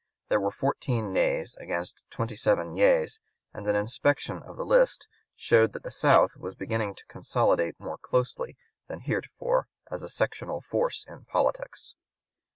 There were fourteen nays against twenty seven yeas, and an inspection of the list showed that the South was beginning to consolidate more closely than heretofore as a sectional force in politics.